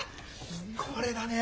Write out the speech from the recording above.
これだね！